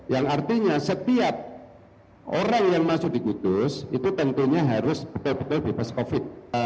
yang artinya setiap orang yang masuk di kudus itu tentunya harus betul betul bebas covid